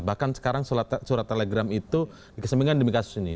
bahkan sekarang surat telegram itu dikesampingkan demi kasus ini